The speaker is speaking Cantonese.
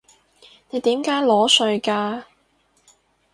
你點解裸睡㗎？